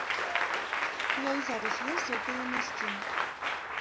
Я і зараз езджу ў тыя мясціны.